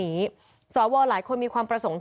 ทางคุณชัยธวัดก็บอกว่าการยื่นเรื่องแก้ไขมาตรวจสองเจน